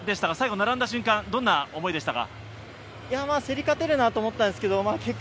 並んだ瞬間、どんな思いでしたか？